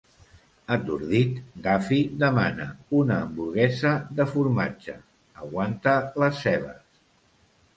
Atordit, Daffy demana "Una hamburguesa de formatge, aguanta les cebes".